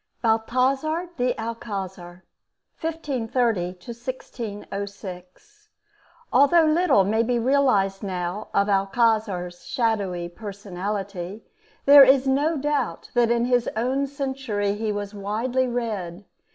BALTÁZAR DE ALCÁZAR (1530? 1606) Although little may be realized now of Alcázar's shadowy personality, there is no doubt that in his own century he was widely read.